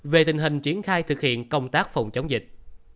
về tình hình triển khai thực hiện công tác phòng chống dịch